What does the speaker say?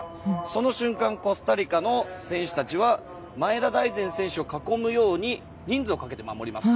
その瞬間コスタリカの選手たちは前田大然選手を囲むように人数をかけて守ります。